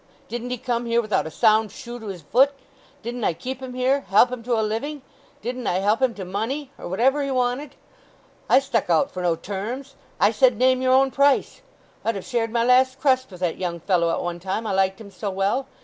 Didn't he come here without a sound shoe to his voot? Didn't I keep him here—help him to a living? Didn't I help him to money, or whatever he wanted? I stuck out for no terms—I said 'Name your own price.' I'd have shared my last crust with that young fellow at one time, I liked him so well.